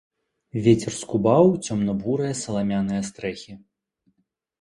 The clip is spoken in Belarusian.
Вецер скубаў цёмна-бурыя саламяныя стрэхі.